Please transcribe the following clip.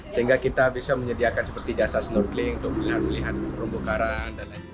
sehingga kita bisa menyediakan seperti jasa snorkeling untuk melihat melihat terumbu karang